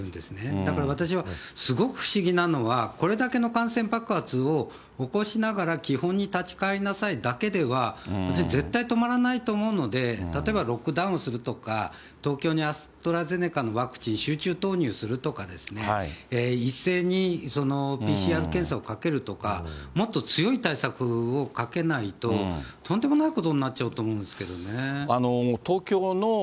だから私は、すごく不思議なのは、これだけの感染爆発を起こしながら基本に立ち返りなさいだけでは、私、絶対止まらないと思うので、例えばロックダウンするとか、東京にアストラゼネカのワクチン、集中投入するとかですね、一斉にＰＣＲ検査をかけるとか、もっと強い対策をかけないと、とんでもないことになっちゃうと思うんですけどね。